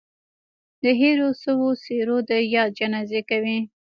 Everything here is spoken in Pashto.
د هېرو سوو څهرو د ياد جنازې کوي